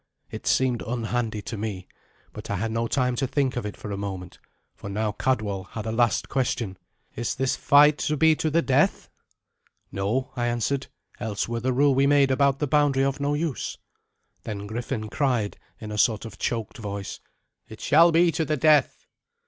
It seemed unhandy to me, but I had no time to think of it for a moment, for now Cadwal had a last question. "Is this fight to be to the death?" "No," I answered; "else were the rule we made about the boundary of no use." Then Griffin cried in a sort of choked voice, "It shall be to the death."